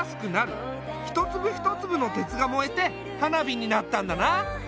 一粒一粒の鉄が燃えて花火になったんだな。